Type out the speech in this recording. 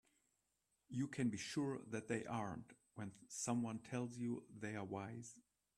You can be sure that they aren't when someone tells you they are wise.